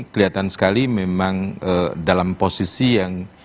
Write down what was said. kelihatan sekali memang dalam posisi yang